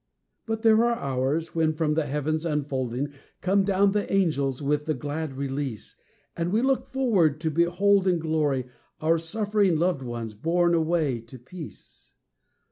But there are hours when, from the heavens unfolding, Come down the angels with the glad release; And we look upward, to behold in glory Our suffering loved ones borne away to peace.